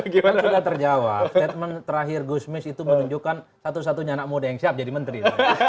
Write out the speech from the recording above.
kan sudah terjawab statement terakhir gusmis itu menunjukkan satu satunya anak muda yang siap jadi menteri